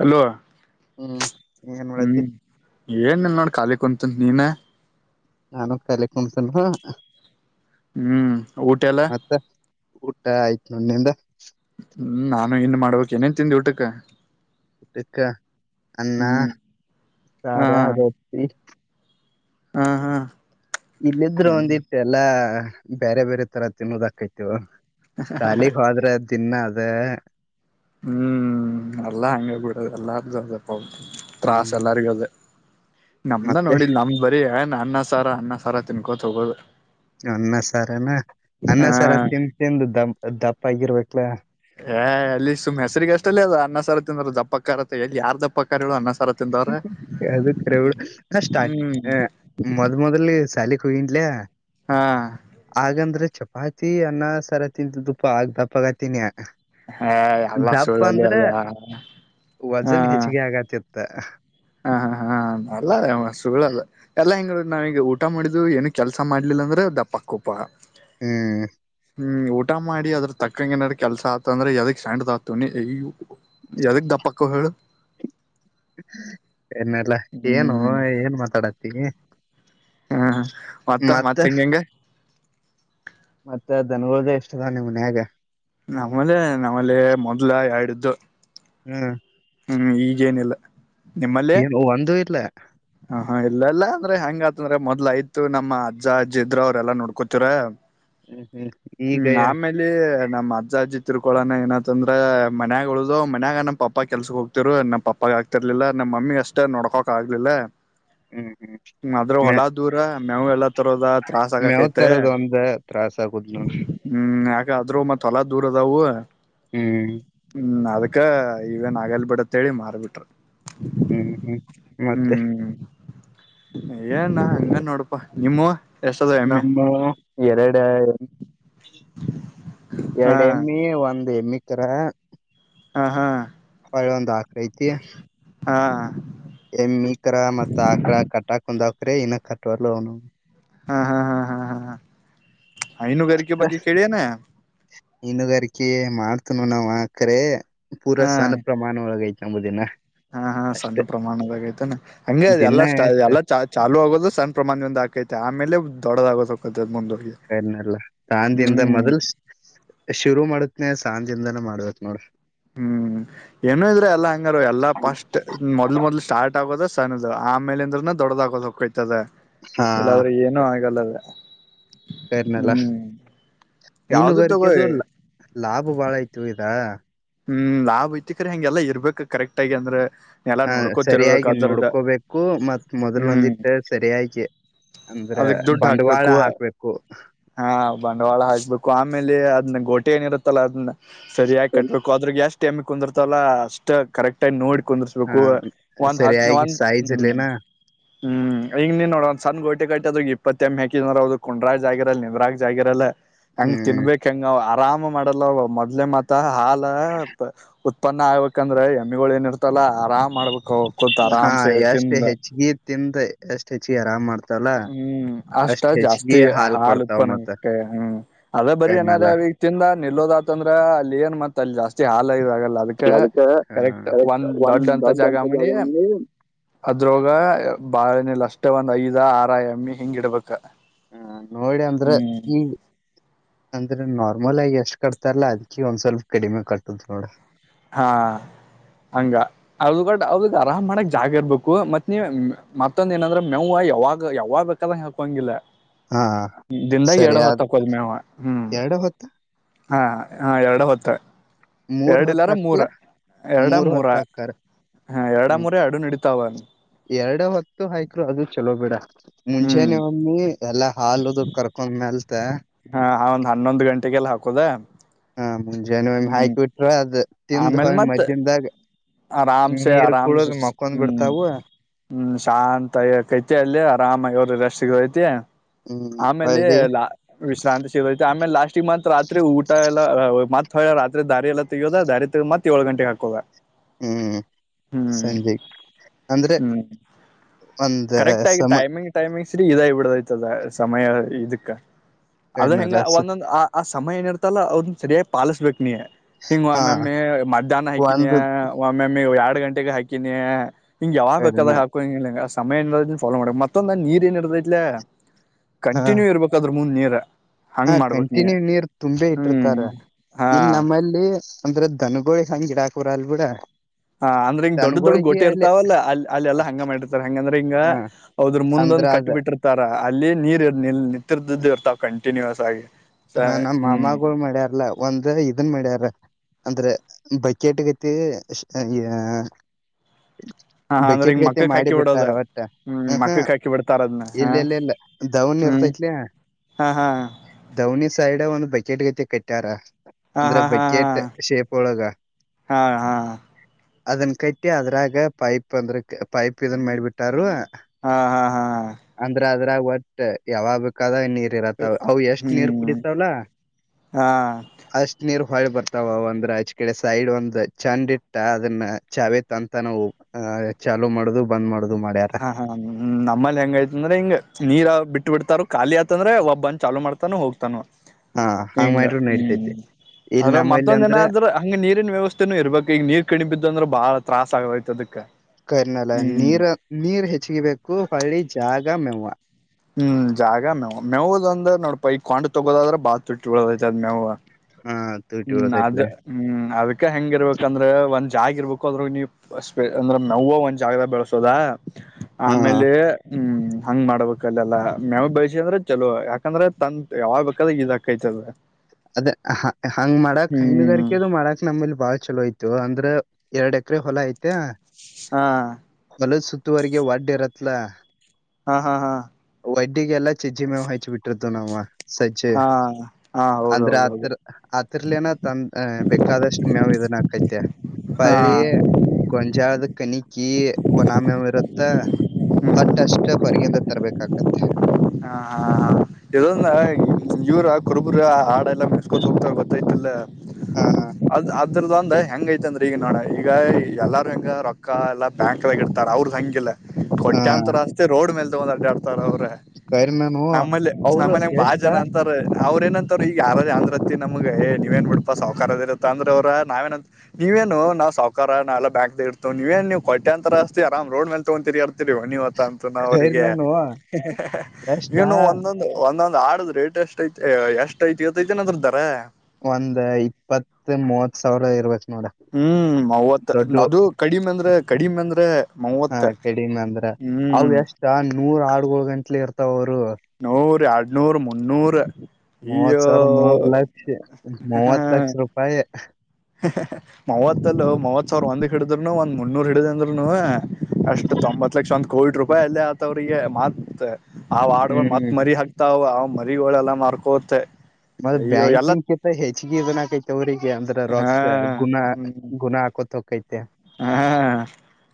Hello ಹ್ಮ್ ಏನ್ ಮಾಡತಿ ಹ್ಮ್ ಏನ್ನ್ ನೋಡ್ ಖಾಲಿ ಕುಂತ ನೀನ ನಾನು ಕಲಿಕ್ಣಸಲ್ವಾ [unintelligible] ಹ್ಮ್ ಊಟ ಎಲ್ಲ. ಊಟ ಆಯ್ತು ನಿಂದು ಹ್ಮ್ ನಾನು ಇನ್ ಮಾಡ್ಬೇಕಕ್ ಏನೇನ್ ತಿಂದ ಊಟಕ್ಕ. ಟಿಕ ಅನ್ನ ಹ್ಮ್ ಹಾ ಸಾರ ರೋಟ್ಟಿ. ಹಾ ಹಾ. ಇಲ್ಲಿದ್ರು ಒಂದ ಇತ್ ಅಲ್ಲ. ಬೇರೆ ಬೇರೆ ತರ ತಿನ್ನೋದಾಕೈತಿವ. ಶಾಲಗ್ ಹೋದ್ರೆ ದಿನ ಅದು. ಅದ. ಹ್ಮ್ ಎಲ್ಲಾ ಹಂಗಗೆ ಬಿಡದು ಎಲ್ಲ ಅದಪ್ಪ. ತ್ರಾಸ ಹ್ಮ್ ಎಲ್ಲರಿಗೂ ಅದೆ. ನಮ್ದ ಮತ್ತೆ ನೋಡಿಲ್ ನಮ ಬರಿ ಅನ್ನ ಸಾರ ಅನ್ನ ಸಾರ ತಿನ್ಕೊತ ಹೋಗೋದು. ಅನ್ನ ಸಾರನಾ ಹ ಅನ್ನ ಸಾರ ತಿ ತಿಂದು ದ ದ. ಟೈಗಿರ್ಬೇಕಲೇ. ಏ್ ಅಲ್ಲಿ ಸುಮನ ಹೆಸರಿಗೆ ಅಷ್ಟಲ್ಲೇ ಅನ್ನಸಾರ ತಿ ಅಂದರು ದಪ್ಪಕ್ಕ ಕರತ್ತೆ ಎಲ್ಲಿ ಯಾರ್ ದಪ್ಪಕ್ಕಾರಿಗಳು ಅನ್ನ. ಸಾರ ತಿಂದವ್ರೆ ಅದ ಕರೆ ನ ಸ್ಟಾರ್ಟ ಹ್ಮ್ ಮೊದ್ ಮೊದ್ಲಿ ಸಾಲ. [unintelligible] ಹಾ ಹಾಗಂದ್ರೆ ಚಪ್ಪ. ಆಯ್ತಿ ಅನ್ನ ಸರ ತಿಂದ ತುಪ್ಪ ಆಗ ದಪ್ಪಗತಿನಿಯ ಹಾ ಎಲ್ಲ ಸುಳ್ಳಲಿ ಅಲ್ಲ ಹಾ. ಹ. [inaudible] ಹಾ ಹಾ ಹಾ ಅಲ್ಲದ ಮಸುಗಳ ಅಲ್ಲ ಎಲ್ಲಾ ಹಿಂಗಗಳ ನಾವೀಗ. ಊಟ ಮಾಡಿದು ಏನ ಕೆಲಸ ಮಾಡ್ಲಿಲ್ಲ ಅಂದ್ರೆ ದಪ್ಪಕ್ಕೂಪ. ಹ್ಮ್. ಹ್ಮ್ ಊಟ ಮಾಡಿ ಅದ್ರ ತಕ್ಕಂಗಗೆನಡ ಕೆಲ್ಸ ಆತಂದ್ರೆ ಎದಕ್ ಸ್ಯಾಂಡದ [inaudible] ಯದಕ್ ದಪ್ಪಕ್ಕ ಹೇಳು. ನ್ನಲ್ಲಾ ಏನು ಹ್ಮ್ ಏನ್ ಮಾತಾಡತಿ. ಹಾ ಹಾ. ಮತ್ತ ಮತ್ತ ಹೆಂಗ ಹೆಂ. ಮತ್ತೆ ಅ ದನ್ಗಳದ ಇಷ್ಟದ ನಿಮ್ಮ ಮನ್ಯಾಗ. ನಮ್ಮಲೆೇ ನಮ್ಮಲೆ ಮೊದ್ಲ ಎರಡ್ದು. ಹ್ಮ್. ಹ್ಮ್ ಈಗೇನಿಲ್ಲ. ನಿಮ್ಮಲ್ಲಿ ಏನ್ ವಂದ ಇಲ್ಲ. ಹ ಹಾ ಇಲ್ಲೆಲ್ಲ ಅಂದ್ರೆ ಹೆಂಗತಂದ್ರೆ ಮೊದ್ಲ ಆಯ್ತ ನಮ್ಮ ಅಜ್ಜ್ ಇದ್ರು ಅವ್ರೆಲ್ಲಾ ನೋಡ್ಕೋತರ ಹ್ಮ್ ಹ್ಮ್ ಈಗ ಹ್ಮ್ ಆಮೇಲೆ ನಮ್ಮ್ ಅಜ್ಜ ಅಜ್ಜಿ ತಿರ್ಕೊಳಣ ಏನಂತಂದ್ರ ಮನ್ಯಾಗ ಉಳಿದು ಮನ್ಯಾಗನ ಪ ಪಪ್ಪಾ ಕೆಲ್ಸ ಹೋಗ್ತಿರು ನಮ್ಮ್ ಪಪ್ಪಾಗ ಆಗ್ತಿರ್ಲಿಲ್ಲ ನಮ್ಮ ಮಮ್ಮಿಗ್ ಅಷ್ಟೇ ನೋಡ್ಕೋಕ್ ಆಗ್ಲಿಲ್ಲ ಹ್ಮ್ ಹ್ಮ್ ಹ್ಮ ಅದ್ರ ಮೆ ಹೊಲಾ ದೂರ ಮೇವು ಎಲ್ಲ ತರೋದ ತ್ರಾಸ ಮೇವ್ ಆಗಕೈತೆ ತರದ ಒಂದ ತ್ರಾಸ ಆಗುದ್ ನೋಡ್ ಹ್ಮ್ ಯ ಆದ್ರೂ ಮತ್ತತ್ಲಾ ದೂರ ಅದವು ಹ್ಮ್ ಹ್ಮ್ ಅದಕ್ಕ ಇವೇನ್ ಆಗಲ್ ಬಿಡತ್ ಹೇಳಿ ಮಾರ್ಬಿಟ್ರಿ ಹ್ಮ್ ಹ್ಮ್ ಮತ್ತೆ ಏಣ ಹಂಗ ನೋಡಪಾ ನಿಮ್ಮವ ನಮ್ಮ ಎರಡ ಹಾ ಎರಡು ಎಮಿ ಒಂದ್ ಎಮಿ ತರ ಹಾ ಹಾ ಹ ಒಂದು [inaudible] ಐತಿ ಹಾ ಎ ಈಕರ ಮತ್ತ ಆಕಳ ಕಟ್ಟಾ ಕುಂದಾ ಇನ್ನ ಕಟ್ವಾಗಿರ್ಲ್ಲ ಲೋನ್ ಹಾ ಹಾ ಹಾ ಹಾ ಹಾ ಹೈನುಗಾರಿಕೆ ಬಗ್ಗೆ ಕೇಳಿಯನೆ ಹನ್ನುಗಾರಿಕೆ ಮಾಡ್ತನ ನಾವ್ ಆಕರೆ ಪೂರ ಹಾ ಸಣ ಪ್ರಮಾಣ ಒಳಗ ಎಂಬುದಿನ ಹಾ ಹಾ ಸಣ್ಣ ಪ್ರಮಾಣದಾಗೈತೆನ ಹಂಗೆ ದಿನ ಅದೆಲ್ಲ ಸ ಎಷ್ಟ ಎಲ್ಲ ಚಾಲೂ ಆಗೋದು ಸಣ್ಣ ಪ್ರಮಾಣದ ಒ ಆಕೈತೆ ಆಮೇಲೆ ದೊಡದಾಗ ಕನಲ್ಲ ಸಂದಿಂದ ಹ್ಮ್ ಮೊದಲ್ ಶುರು ಮಾಡತ್ನನೆ ಸಾಂದ ದಾನೇ ಮಾಡ್ಬೇಕಕ್ ನೋಡ್ ಹ್ಮ್ ಏನು ಇದ್ರ ಎಲ್ಲಾ ಹಂಗಾರ ಎಲ್ಲಾ ಪಸ್ಟ್ ಮೊದ್ಲು ಮೊದ್ಲು ಸ್ಟಾರ್ಟ್ ಆಗೋದ ತನ್ನದ ಆಮೇ ಅಂದ್ರೆ ದೊಡದ ಹಕೋ ಹ ಹೊಕೈತಿ ಇಗ್ತದ ಹಾ ಇಲ್ಲಾದ್ರೂ ಏನುೂ ಆಗಲ್ಲದ ಕರ್ನೆಲ್ಲ ಹ್ಮ್ ಯಾವ್ದು ತಗೋ ಇನುಗರಿಕದು ಲಾಭ ಬಾಳ ಯ್ತು ಇದ ಹ್ಮ್ ನಾ ಐತಿಕ್ರೆ ಹೆಂಗೆಲ್ಲ ಇರ್ಬೇಕು ಕರೆಕ್ಟ್ ಆಗಿ ಅಂದ್ರೆ ಎಲ್ಲಾ ಹ ನೋಡ್ಕೋತಿರ್ಬೇಕ ಸರಿಯಾಗಿ ಅದ್ರದ ನೋಡ್ಕೋಬೇಕು ಮತ್ತ್ ಮೊದ್ಲ್ ಹ್ಮ್ ಒಂದಿಟ್ಟ ಸರಿಯಾಗಿ ಅಂದ್ರ ಅದಕ್ ದುಡ್ಡು ಬಂಡವಾಳ ಹಾಕ್ಬೇಕು ಹಾಕ್ಬೇಕು ಹಾ ಬಂಡವಾಳ ಹಾಕ್ಬೇಕು ಆಮೇಲೆ ಅದ್ನ ಗೋಟೆ ಏನಿರುತ್ತಲ್ಲ ಅದ್ನ್ ಸರಿಯಾಗಿ ಕಟ್ಬೇಕು ಆದ್ರು ಕುಂದಿರ್ತಲ್ಲ ಅಷ್ಟ ಕರೆಕ್ಟ್ ಆಗಿ ನೋಡಿ ಹ ಕುಂದರ್ಸ್ಬೇಕು ಒಂದ್ ಹತ್ ಸರಿಯಾಗಿ ಒಂದ್ ಸೈಜ್ ಹ್ಮ್ ಅಲ್ಲಿನ ಹ್ಮ್ ಈಗ ನೀನ್ ನೋಡ ಒಂದು ಸಣ್ಣ ಗೋಟೆ ಕಟ್ಟಿ ಅದ್ ಇಪ್ಪತ್ತ ಎಮ್ಮೆ ಹಾಕಿದ್ರ ಕೊಂಡ್ರ ನಿಂದ್ರಗ ಜಾಗ ಇರಲ್ಲ ಹೆಂಗ್ ಹ್ಮ್ ತಿನ್ಬೇಕ್ ಹೆಂಗ ಆವ ರಾಮ್ ಮಾಡಲ್ಲ ಅವು ಮೊದ್ಲೇ ಮಾತ್ರ ಹಾಲ ಉತ್ಪನ್ನ ಆಗ್ಬೇಕಂದ್ರೆ ಎಮ್ಮಿಗಳು ಏನಿತಲ್ಲ ಆರಾಮ್ ಮಾಡ್ಬೇಕು ಹಾ ಎಷ್ಟು ಹೆಚ್ಚಗಿ ತಿಂದ್ ಎಷ್ಟ್ ಹೆಚ್ಚಿಗೆ ಆರಾಮ್ ಮಾಡ್ತ ಹ್ಮ್ ಅಷ್ಟ ಜಾಸ್ತಿ ಹಾಲ್ ಕೊಡ್ತಾವ ಮತ್ತ ಉತ್ಪನ್ನಕ್ಕೆ ಹ್ಮ್ ಅದಬರಿ ಕೈಮ್ಯಾಲ ಏನಾದ್ರ ಅವಗ ತಿಂದ ನಿಲ್ಲೋದಾತಂದ್ರ ಅ ಲಿಯನ್ ಮತ್ ಜಾಸ್ತಿ ಹಾಲ ಇಲ್ಲ ಸಿಗಲ್ಲ ಅದಕ್ಕೆ ಕರೆಕ್ಟ್ ಒಂದ್ ದೊಡ್ಡ ಅಂತ ಜಾಗಮಿ ಅದ್ರೋಗ ಬಾಳೆನ ಅಷ್ಟ ಒಂದು ಐದು ಇದ ಆರಎಮ್ಮಿ ಹಿಂಗ ಇಡ್ಬೇಕ ಹ್ಮ ನೋಡಿ ಅಂದ್ರೆ ಹ್ಮ್ ಈ ಅಂದ್ರೆ ನಾರ್ಮಲ್ ಆಗಿ ಎಷ್ಟ್ ಕಟ್ತಾರಲ್ಲಾ ಅದಕ್ಕಿ ಒಂದ್ ಸ್ವಲ್ಪ ಕಡಿಮೆ ಕಟ್ಟದ್ ನೋಡ ಹಾ ಅವ್ರಾಗ ಆರಾಮ್ ಮಾಡಕ್ ಜಾಗ ಇರ್ಬೇಕು ಮತ್ ನೀವ ಮತ್ತೊಂದ ಏನಂದ್ರೆ ಮೇವ ಯಾವಾಗ ಯಾವಾಗ್ ಬೇಕಾದಂಗ ಹಾಕಂಗಿಲ್ಲ ಹಾ ದಿಂದಾಗ ಸರಿ ಎರಡು ಹೊತ್ತ ಅದ್ ಹಾಕೊವ ಮೇವ ಹ್ಮ್ ಎರಡು ಹೊತ್ತ ಹಾ ಹಾ ಎರಡು ಹೊತ್ತ ಮೂರ್ ಎರಡು ಹೊತ್ತ ಇಲ್ಲಾರ ಮೂರ ಹಾಕಲ್ಲ ಎರಡ ಮೂರ್ ಮೂರ ಹೊತ್ತ ಹಾಕಾರ ಹ ಎರಡ ಹ್ಮ್ ಮೂರ ಎರಡು ನೆಡಿ ತ್ತವ ಎರಡು ಹೊತ್ತು ಹೈಕೋ ಅದು ಚಲೋ ಬಿಡ ಹ್ಮ್ ಮುಂಚೆನೆವ ಎಮ್ಮಿ ಎಲ್ಲಾ ಹಾಲದು ಕರ್ಕೊಂಡ್ಮೇಲೆ ಮತ್ತೆ ಹಾ ಒಂದ್ ಹನ್ನೊಂದು್ ಗಂಟೆಗೆಲ್ಲ ಹಾಕುದ ಹಾ ಮುಂಜಾನೆ ಒಂದು ಹಾಕ್ ಬಿಟ್ರ ಅದ ತಿಂದ ಆಮೇಲ್ ಮತ್ ಮಧ್ಯ್ಯಾನ್ದಾಗ ಆರಾಮ್ಸೆ ನೀರ್ ಆರಾಮ್ಸೆ ಕುಡದ್ ಮಕೊಂಡ್ ಹ್ಮ್ ಬಿಡ್ತಾವ ಹ್ಮ್ ಶಾಂತ ಆಯಕೈತಿ ಅಲ್ಲಿ ಆರಾಮ ಇವರು ರೆಸ್ಟ್ಗೆ ಐತಿ ಹ್ಮ್ ಆಮೇಲೆ ಹಳ್ಳಿ ಲಾಸ್ಟ ವಿಶ್ರಾಂತಿ ಸಿಗೈತೆ ಆಮೇಲೆ ಲಾಸ್ಟ್ ಮಂತ್ ರಾತ್ರಿ ಊಟ ಎಲ್ಲ ಮತ್ ಹೊರಾತ್ರಿ ದಾರಿ ಎಲ್ಲ ತಗೋದ ದಾರಿ ತಗ ಮತ್ತತ್ ಏಳ ಗಂಟೆಗೆ ಹಾಕದ ಹ್ಮ್ ಸಂಜೆ ಅಂದ್ರೆ ಹ್ಮ್ ಒಂದ ಕರೆಕ್ಟ್ ಆಗಿ ಸಮ ಟೈಮಿಂಗ್ ಟೈಮಿಂಗ್ ಸರಿ ಇದ ಬಿಡದಯ್ತದ ಸಮಯ ಇದಕ್ಕ ಅದು ಹೆಂಗ ಸಮಯನಲ್ಲ ಸ- ಒಂದೊಂದು ಆ ಆ ಸಮಯಏನಿರ್ತಲ್ಲ ಅವ್ರನ್ನ ಸರಿಯಾಗಿ ಪಾಲಿಸ್ಬೇಕು ಹಿಂಗ್ ಹಾ ಒಮ್ಮಮ್ಮಿ ಮಧ್ಯಾಹ್ನ ಹಕನಿಯ ಒಂದು ಒಮ್ಮೊಮ್ಮೆ ಯಾರ ಎರಡು ಗಂಟೆಗೆ ಹಾಕಿನಿ ಹಿಂಗ್ ಯಾವಾಗ ಕನ ಬೇಕಾದಾಗ ಹಾಕ ಹಂಗ ಸಮಯಏನಿರೋ ಫಾಲೋ ಮಾಡಕ್ ಮತ್ತೊಂದ ನೀರ್ ಏನ ಇರದೈಲೆ ಹ ಕಂಟಿನ್ಯೂ ಇರ್ಬೇಕಾದ್ರದು ತನ್ನ ನೀಡರ ಹಾ ಕಂಟಿನ್ಯೂ ನೀರ್ ತುಂಬೆ ಹ್ಮ್ ಇಟ್ಟಿರ್ತಾರೆ ಹಾ ಇಲ್ಲಿ ನಮ್ಮಲ್ಲಿ ಅಂದ್ರೆ ದನಗಳೋಳ ಹಜಡಾ [unintelligible] ಬಿಡ ಹ ಅಂದ್ರೆ ಹಿಂಗ ದೊಡ್ಡ ದೊಡ್ ದನಗೋಳಗಿ ಗೊಟ್ಟೆ ಅಲ್ಲೇ ಇರ್ತಾವಲ್ಲ ಅ ಅಲ್ಲಿ ಎಲ್ಲಾ ಹಂಗ ಮಾಡಿರ್ತಾರೆ ಹಂಗಂದ್ರೆ ಹಿಂಗ ಹ ಹದ್ರ ಅಂದ್ರ ಮುಂದೊಂದ್ ಅದ ಕಟ್ಟಿ ಬಿಟ್ಟಿರ್ತಾರ ಅಲ್ಲಿ ನೀರು ನಿ ನಿಂತಿರ್ದು ಇರ್ತಾವ ಕಂಟಿನ್ಯೂಸ್ ಆಗಿ ಸ ಹ ನಮ ಹ್ಮ್ ಮಾಮಾಗಗಳು ಮ್ಯಾರಲ್ಲ ಒಂದ್ ಇದನ್ ಮಡ್ಯಾರ ಅಂದ್ರೆ ಬಕೆಟ್ಗೈತಿ ಹಾ ಹ [inaudible] ಹಾ ಅಂದ್ರೆ ಈಗ ಬಕೆಟ್ ಗೈತೆ ಮಕ್ಕಕ್ ಮಾಡಿ ಹಾಕಿ ಬಿಡೋದ ಬಿಟ್ಟಾರ ಒಟ್ಟ ಹ್ಮ್ ಹ ಮಕ್ಕಕ್ ಹಾಕಿ ಬಿಡ್ತಾರ ಅದನ್ನ ಹ ಇಲ್ಲೆಲ್ಲೆಲ್ಲ ದವಣಿ ಹ್ಮ್ ಇರ್ತೈತ್ಲ ಹಾ ಹಾ ದವಣಿ ಸೈಡ್ ಒಂದು ಬಕೆಟ್ ಗೈತೆ ಕೆಟ್ಟಾರಾ ಹಾ ಹಾ ಹಾ ಹಾ ಹಾ ಹಾ ಅದನ್ ಕಟ್ಟಿ ಆದ್ರ ಇಟ್ಟಾಗ ಪೈಪ್ ಅಂದ್ರೆ ಪೈಪ್ ಇದನ್ ಮಾಡಿಬಿಟ್ಟಾರು ಹಾ ಹಾ ಹಾ ಹಾ ಒಟ್ ಯಾವಾಗ ಬೇಕಾದನ್ [unintelligible] ಅವು ಎಷ್ಟ ನೀರ್ ಹ್ಮ್ ಕುಡಿತವಲ ಹಾ ಅಸ್ತ್ ನೀರ್ ಹೊ ಬರ್ತಾವ ಅಂದ್ರ ಆಚ್ ಕಡೆ ಸೈಡ್ ಒಂದ್ ಚೆಂಡ್ ಇಟ್ಟ ಅದನ್ನ ಚಾವೇ ಅಂತ ನಾವು ಚಾಲೂ ಮಾಡುದು ಬಂದ್ ಮಾಡುದು ಮಾಡ್ಯಾರ ಹಾ ಹಾಮ್ ನಮ್ಮಲ್ಲಿ ಹೆಂಗಯ್ತ ಅಂದ್ರೆ ಹಿಂಗ್ ನೀರ ಬಿಟ್ಟು ಬಿಡ್ತಾರ ಖಾಲಿ ಅತ ಅಂದ್ರೆಬ್ಬಂದ ಚಲು ಮಾಡತಾನು ಹೋಗ್ತಾನ ಹಾ ಹಂಗ್ ಹಂಗ ಮಾಡಿರು ಹ್ಮ್ ನಡಿತೈತಿ ಇಲ್ ಅಂದ್ರ ನಮ್ಮಲ್ಲಿ ಮತ್ತೊಂದ್ ಅಂದ್ರ ಏನಾದ್ರ ಹಂಗ ನೀರಿನ್ ವ್ಯವಸ್ಥೆನೂ ಇರ್ಬೇಕ್ ಈಗ ನೀರ್ ಕಣಿಬಿದ್ದಂದ್ರೆ ಬಾಳ ತ್ರಾಸ್ ಆಗೋಯ್ತದಕ್ಕೆ ಕರಿನಲ್ಲ ನೀರ ನೀರ್ ಹೆಚ್ಚಗಿಬೇಕು ಹಳ್ಳಿ ಜಾಗ ಮೆವ್ವ ಹ್ಮ್ ಜಾಗ ಮೇವು ಮೇವು ಅಂದ್ರ ನೋಡಪ ಈ [unintelligible] ತಗೋದಾದ್ರೆ ಬಾತ್ ತುಟ್ಟಿ ಉಳದೈಐತೆ ಅ್ ಮೇವುವ ಹಾ ತುಟಿ ಹ್ಮ್ ಅದ ಉಳತೈತ್ಲೆ ಹ್ಮ್ ಅದಕ್ಕೆ ಹೆಂಗಿರ್ಬೇಕಂದ್ರೆ ಒಂದ ಜಾಗ ಇರ್ಬೇಕು ಅದ್ರ ನೀವು ಸ್ಪ ಅಂದ್ರೆ ನೋವ ಒಂದ ಜಾಗದ ಬೆಳಸೋದ ಹಾ. ಆಮೇಲೆ ಹ್ಮ್ ಹಂಗ್ ಮಾಡ್ಬೇಕು ಹಾಕಲ್ಲಲ್ಲಾ ಮವ ಬಯಸಿ ಅಂದ್ರೆ ಚಲೋ ಯಾಕಂದ್ರ ತಂದ ಯಾವ ಬೇಕಾದ್ರೆ ಇದಾಕೈತದ ಅದೇ ಹಂಗ್ ಮಾಡಕ್ ಹೈನುಗಾರಿಕೆದು ಮಾಡಾಕ್ ನಮ್ಮೇಲಿ ಬಾಳ ಚಲೋ ಆಯ್ತು ಅಂದ್ರ ಎರಡ್ ಎಕರೆ ಹೊಲ ಐತ ಹಾ ಅಲ್ಲ ಸುತ್ತುವರೆಗೆ ವಡ್ಡ ಇರತ್ತಲ ಹಾ ಹಾ ಹಾ ವಡ್ಡಿಗೆಲ್ಲ ಚಜಿಮ ವಹಿ ಬಿಟ್ಟರು ತ್ತ ನವ ಹಾ ಹಾ ಅಂದ್ರೆ ಹೌದೌದೌದು ಆತ್ರರ್ ಆತರ್ಲೇನ ತಂದ ಬೇಕಾದಷ್ಟ್ ಮೇವು ಇದನ್ನಕೈತೆ ಹಾ ಹೊಳ್ಳಿ ಗೊಂಜಾಳದ ಕಣಿಕಿ ಒನ ಮೇವ ಇರುತ್ತ ಹ್ಮ್ ಹೊಟ್ಟಷ್ಟ ಹೊರ್ಗಿಂದ ತರ್ಬೇಕಕತ್ ಹ ಹಾ ಇದ ಇವರ ಕುರುಬುರ ಹಾಡೆ ಎಲ್ಲ ಮೆಸ್ಕೊತ ಹೋಗ್ತಾರ ಗೊತ್ತೈತಿಲ್ಲ ಹಾ ಹಾ ಇದರದದು ಅಂದ್ ಹೆಂಗೈತೆ ಅಂದ್ರ ಈಗ ನೋಡ ಈಗ ಎಲ್ಲಾರೂ ಹೆಂಗ ರೊಕ್ಕ ಎಲ್ಲಾ ಬ್ಯಾಂಕ್ಾಗ ಇಡ್ತಾರ ಅವ್ರ ಹಂಗಿಲ್ಲ ಹ ಕೊಟ್ಟೆಂತ ರಾಸ್ತೆ ರೋಡ್ ಮೇಲ್ ಆಡ್ ಆಡ್ತಾರ ಅವ್ರೆ ಕರಿನಾನು ನಮ್ಮಲ್ಲಿ ಅವರು ನಮ್ಮನ ಹೆಂಗ ಬಾಳ ಎಷ್ಟ ಜನ ಅಂತಾರ ಅವ್್ರ ಏನಂತಾರ ಈಗ ಯಾರದ ಅಂದ್ರತ್ತತಿ ನಮಗೆ ನೀವೇನ್ ಬಿಡ್ಪಾ ಸಾಹಕಾರದ ಇರುತ್ತೆ ಅಂದ್ರ ಅವ್ರ ನಾವೇನಂತ ನೀವೇನು ನಾವು ಸಾಕಾರ ನಾವ ಎಲ್ಲ ಬ್ಯಾಕ್ಗ ಇಡ್ತವ ನೀವೇ ನೀವು ಕೊಟ್ಟೆ ಅಂತರ ಅಸ್ತಿ ಆರಾಮ್ ರೋಡ್ ಮೇಲೆ ತಗೊತೀರಿ ಆಡ್ತೀರಿ ನೀವು ತಂತ ನ ಅವ್ರಿಗೆ ಕರಿನಾನು ಎಷ್ಟ ಏನು ಒಂದೊಂದು ಒಂದೊಂದ್ ಆಡದ್ ರೇಟ್ ಎಷ್ಟ ಐತಿ ಎಷ್ಟ್ ಐತಿ ಇತೈತಿನ ಅದ್ರದ್ದಾರ ಒಂದ್ ಇಪ್ಪತ್ ಮೂವತ್ ಸಾವಿರ ಇರ್ಬೇಕು ಹ್ಮ್ ಮೂವತ್ತ ಅದು ಕಡಿಮೆ ಅಂದ್ರೆ ಕಡಿಮೆ ಅಂದರೆ ಹಾ ಕಡಿಮೆ ಅಂದ್ರ ಅವ ಎಷ್ಟ ನೂರ [inaudible] ಗಂಟಲೆ ಇರ್ತಾವ ಅವರು ನೂರ ಮುನ್ನೂರು ಮುನ್ನೂರು ಮೂವತ್ ಸಾವಿರ ಮೂರ್ ಲಕ್ಷ ಮೂವತ್ ಲಕ್ಷ ರೂಪಾಯಿ ಮೂವತ್ತಲ್ಲ ಮೂವತ್ ಸಾವಿರ ಒಂದಕ್ ಹಿಡಿದ್ನು ಒಂದ್ ಮುನ್ನೂರ್ ಹಿಡಿದ್ ಅಂದ್ರುನು ಅಷ್ಟು ತೊಂಬತ್ ಲಕ್ಷ ಒ ಕೋವಿಡ್ ರ ಕ ಅಲ್ಲ ಆತವ್ರಿಗೆ ಮಾತ್ ಆವ ಆಡ್ಗಳು ಹ್ಮ್ ಮತ್ ಮರಿ ಹಾಕ್ತಾವ ಮರಿಗಳೆಲ್ಲ ಮಾರ್ಕೋತ್ತೆ ಮತ್ತ ಬ್ಯಾಂಕಿಂಗ್ ಕಿಂತ ಹೆಚ್ಚಗೆ ಇದನ್ ಆಕೈ ಅವ್ರರಿಗೆ. ಹಾ ರಾಕ್ ಗುಣ ಗುಣ ಹಾಕೋತ್ ಹಕೈತೆ. ಹ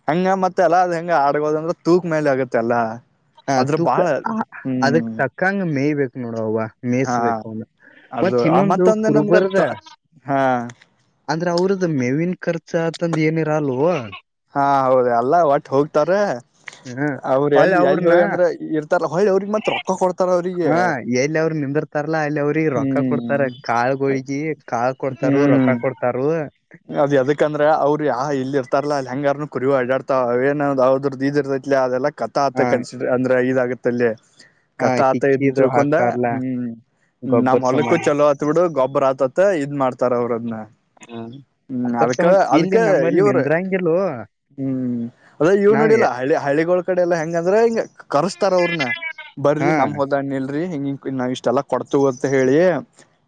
ಹಂಗ ಮತ್ತೆ ಎಲ್ಲ ಅದ ಹೆಂಗ. ಆಡ್ಗೋದಂದ್ರೆ ತೂಕ್ ಮೇಲೆ ಆಗತ್ತೆಲ್ಲಾ. ಹ ತೂಕ ಅದಕ್ ತಕ್ಕಂಗ ಮೇಯ್ ಬೇಕು. ನೋಡ. ಹಾ ಮೇಯಸ್ಬೇಕ ಅವ ಅದು ಮತ್ ಇನ್ನೊಂದು ಮತ್ತೊಂದ ಏನಂದ್ರ ಕುರುಬರ್ದ ಹಾ ಅಂದ್ರೆ ಅವ್ರದ. ಮೇವನ್ ಕರ್ಚು ಅತಂದ ಏನಿರ ಅಲ್ ಹಾ ಹೌದ ಅಲ್ಲ ಹೋಗ್ತಾರ ಹ ಅವ್ರ ಹೊಳ್ಳಿ ಎಲ್ಲಿ ಎಲ್ಲಿ ಹೋಗಿ ಅವ್ರನ್ನ ಅಂದ್ರೆ ಇರ್ತಾರ ಹಯಿ ಅವ್ರಿಗೆ ಮತ್ ರೊಕ್ಕ ಕೊಡ್ತಾರ ಅವ್ರಿಗೆ ಹಾ ಎಲ್ಲಿ ಅವ್ರ ನಿಂದಿರ್ತಾರಲ್ಲಾ ಅಲ್ಲಿ ಅವ್ರಿಗೆ ರೊಕ್ಕ ಕೊಡ್ತಾರ ಹ್ಮ್ ಕಾಳ್ಗೊಳಿಗಿ ಕಾಳ್ ಕೊಡ್ತಾರ ಹ್ಮ್ ರೊಕ್ಕ ಕೊಡ್ತಾರ ಅದ್ ಅದಕ್ಕಂದ್ರೆ ಅವರು ಯ ಇಲ್ಲಿ ಇರ್ತಾರ ಹೆಂಗಾರನು ಕುರಿವು ಆಡಾಡ್ತಾವ ಏನಾವದ್ರ್ ಇದಿರ್ದೈಲಿ ಅದೆಲ್ಲ ಕಥಾತ ಹ ಕನ್ಸ ಅಂದ್ರೆ ಈ ಆಗುತ್ತಲ್ಲ ಹ ಕತ್ತ ಆತ ಇದ ಹಿಕ್ಕಿದು ತಿಳ್ಕೊಂಡ ಹಾಕಾರ್ಲಾ ಹ್ಮ್ ನಮ್ಮ್ ಗೊಬ್ಬರ್ ಹೊಲಕ್ಕು ಸಮಾನ ಚಲೋ ಆತ್ ಬಿಡು ಗೊಬ್ಬರ ಆತತ್ತ ಇದ್ ಮಾಡ್ತಾರ ಅವ್ರ ಅದ್ನ್ನ ಹ್ಮ್ ಅದ್ರ ಅದ್ಕ ಸಂಬಂಧ ಅದ್ಕ ಇಲ್ಲಿ ನಮ್ಮಲ್ಲಿ ಇವ್ರ ನಿಂದ್ರಂಗಿಲ್ಲೋ ಹ್ಮ್ ಅದೇ ಇ ನಾವ್ ನೋಡಿಲ್ಲ ಎ- ಹಿ ಹಳ್ಳಿಗಳ ಕಡೆ ಎಲ್ಲಾ ಹೆಂಗ ಇದಂದ್ರಂಗ ಕರ್ಸ್ತಾರ ಅವ್ರನ ಹಾ ಬರ್ರಿ ನಮ್ ಹೋದ ಹಣ್ಣಿಲ್ ರಿ ಹಿಂಗಿಂಗ ನಾವ ಇಷ್ಟೆಲ್ಲಾ ಕೊಡ್ತ ಅಂತ ಹೇಳಿ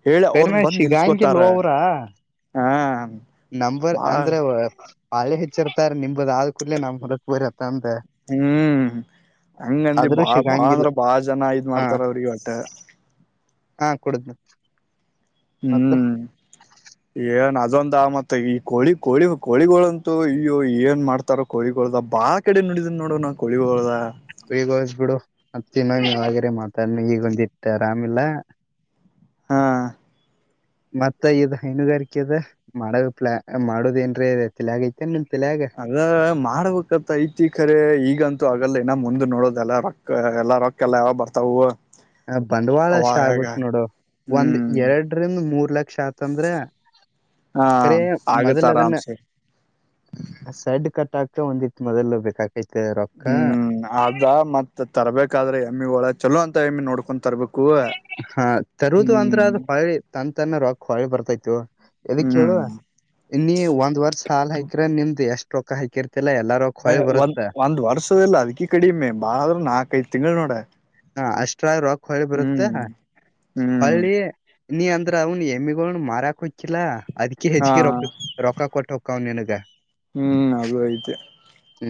ಹೇಳಿ ಸರಿಮ ಅವ್ರನ್ ಶಗಾಂಗೆ ಲೋವರಾ ಹಾ ನಂಬಂಬರ್ ಅಂದ್ರೆ ಬಳೆ ಹೆಚ್ಚಿರ್ತಾರೆ ನಿಮ್ದದ ಆದ ಕೂಡಲೇ ನಮ್ರ ಬ ಹ್ಮ್ ಹಂಗಂದಿ ಆದ್ರೂ ಬಾ ಬಾಳ್ ಸಿಗಂಗಿಲ್ಲ ಅಂದ್ರ ಬಾಳ ಜನ ಇದ್ ಹಾ ಮಾಡ್ತಾರ ಅವ್ರಿಗೆ ಹೊಟ್ಟೆ [unintelligible] ಮತ್ತ ಹ್ಮ್ ಏನ್ [inaudible] ಇದೊಂದ ಮತ್ತೆ ಈ ಕೋಳಿ ಕೋಳಿ ಕೋಗಳಂತೂ ಇೋ ಏನ್ ಮಾಡ್ತಾರೋ ಕೋಿಗಳದ ಬಾಳ ಕಡೆ ನುಡಿದನ ನೋಡೋಣ ಬೇಗಯಸ್ ಬಿಡು ಮತ್ತಿನೊ ನೀ ಆರೆ ಮಾತಾಡ್ನ ಈಗೊಂದ ಆರಾಮಿಲ್ಲ ಹಾ ಮತ್ತ ಇ ಹೈನುಗಾರಿಕೆ ಅದ ಮಾಡ ಪ್ಲಾ ಮಾಡೋದೇಏನ್ರೀ ತಲ ಆಗೈತೆ ಅದ ಮಾಡ್ಬೇಕಂತ ಐತಿ ಖರೆ ಈಗಂತ ಇ ಆಗಲ್ಲ ನ ಮುಂದ ನೋಡೋದೆಲ್ಲಾ ರೊಕ್ಕ ಎಲ್ಲ ರೊಕ್ಕ ಎಲ್ಲ ಯಾವ ಬರ್ತಾವೂವು ಹ ಬಂಡವಾಳ ಅಷ್ಟ ಆಗುತ್ತ ನೋಡು ಒಂದ್ ಹ್ಮ್ ಎರಡರಿಂದ ಮೂರ್ ಕ್ಷ ಅತಂದ್ರೆ ಹ ಕರೆ ಆಗತ್ತ ಮೊದಲು ಅದನ್ನ ಆರಾಮ್ಸೆ ಸೈಡ್ ಕಟ್ ಆಕ್ ಒಂದಿ ಮೊದಲು ಬೇಕೈತ್ತು. ಹ್ಮ್ ಅದ ಮತ್ತ್ ತರ್ಬೇಕಾದ್ರೆ ಎಮ್ಮಿ ಒಳ. ಚಲೋ ಅಂತ ಹೆಮ ನೋಡ್ಕೊಂಡು ತರಬೇಕು ಹಾ ತರುದು ಅಂದ್ರ ಅದ ಹೊಳಿ ತನ್ ತನ್ನ ರೊಕ್. ಕೊಳಿ ಬರ್ತಾ ಇತತ್ತು. ಎದಕ್ ಹ್ಮ್ ಕೇಳುವ ಇನ್ನ ಒಂದ್ ವರ್ಷ ಹಲ್ ಹಯಕ್ರ ನಿಮ್ದ್ ಎಷ್ಟ. ರೊಕ್ಕ ಹಾಕಿರಿ ಹ ಒಂದ್ ಒಂದ್ ವರ್ಷದಲ್ಲ ಅದಕಿ ಕಡಿಮೆ ಬಾಳ್ರ ನಾಕಐದ್ ತಿಂಗಳು ನೋಡ. ಹ ಅಷ್ಟ್ರಾ ರಾಕ್. ಹೊಳಿ ಬರುತ್ತೆ ಹ್ಮ್ ಹ್ಮ್ ಹೊಳಿ ನೀ ಅಂದ್ರ ಅವನು ಹೆಮಿಗ. [unintelligible] ಅದ್ಕೀ ಹಾ ಹೆಚ್ಚಿಗೆ ರೊಕ್ಕ ರೊಕ್ಕ ಕೊಟ್ಟ. [unintelligible] ಹ್ಮ್ ಅದು ಆಯ್ತು. ಹ.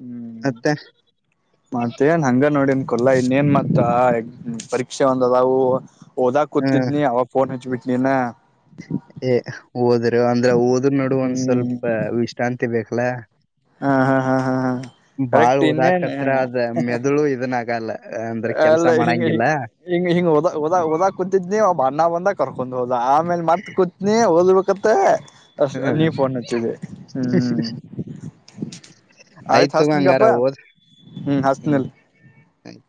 ಹ್ಮ್ ಮತ್ತೇನ್ ಹಂಗ ನೋಡ. ಕೊಲ್ಲಾ ಇನ್ನೇನ್ ಮತ್ತ ಪರೀಕ್ಷೆ ಒಂದ ಅದಾವು. ಹಓದಾ ಹ್ಮ್ ಕೂತಿದ್ನಿ ಅವಾಗಫೋನ್ ಹಚ್ವಿ. ಇನ್ನ. ಏ ಓದರು ಅಂದ್ರೆ ಓದ್ರ ನಡ ಒಂದ್ ಸ್ವಲ್ಪ ವಿಶ್ರಾಂತಿ ಬೇಕ ಬ್ಲೇ. ಹಾ ಹಾ ಹಾ ಹಾ ಹಾ. ಬಾಳ್ ಕರೆಕ್ಟ್ ಹೋದ ಇನ್ನೇನ್ ಕತ್ರ ಅದ ಮೆದುಳು ಇದನ್ ಆಗಲ್ಲ. ಅಂದ್ರ ಕೆಲ್ಸ ಅಲ್ಲ ಹಿಂಗ ಹ ಮಾಡಂಗಿಲ್ಲ ಹಿಂಗ ಹಿಂಗದದ ಹಓದ ಕುೂತಿದ್ನ ಅಣ್ಣ ಬಂದರ. ಕೊಂಡ್ ಹೋದ ಆಮೇಲೆ ಮತ್ ಕೂತ್ನಿ ಹಓದಬೇಕತ್ತ. ಅ ಹ್ಮ್ ನೀವ ಫೋನ್ ಹಚ್ಚಿದ್ದಿ ಹ್ಮ್ ಆಯ್ತ್ ತಗೋ ಹಂಗಾರ ಹಸ್ನಗಪ್ಪಾ ಓದ್ ಹ್ಮ್ ಹಸ್ತನಲ್. ಆಯ್ತ್.